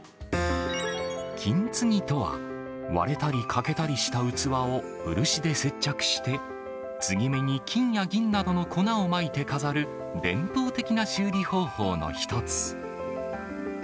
金継ぎとは、割れたり欠けたりした器を、漆で接着して、継ぎ目に金や銀などの粉をまいて飾る、伝統的な修理方法の一つ。